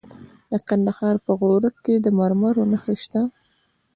د کندهار په غورک کې د مرمرو نښې شته.